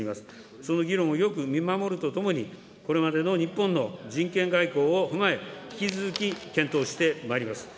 その議論をよく見守るとともに、これまでの日本の人権外交を踏まえ、引き続き検討してまいります。